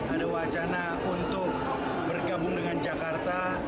ada wacana untuk bergabung dengan jakarta